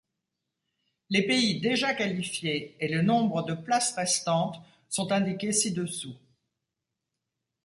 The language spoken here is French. Les pays déjà qualifiés et le nombre de places restantes sont indiqués ci-dessous.